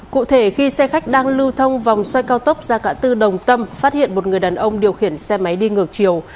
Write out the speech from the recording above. cụ thể khi xe khách đang lưu thông vòng xoay cao tốc ra ngã tư đồng tâm phát hiện một người đàn ông điều khiển xe máy đi ngược chiều